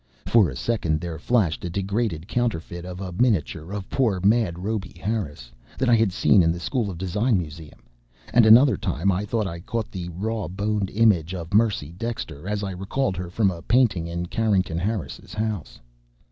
For a second there flashed a degraded counterfeit of a miniature of poor mad Rhoby Harris that I had seen in the School of Design museum, and another time I thought I caught the raw boned image of Mercy Dexter as I recalled her from a painting in Carrington Harris's house.